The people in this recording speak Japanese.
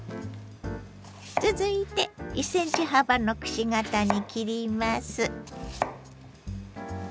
続いて１ｃｍ幅のくし形に切ります。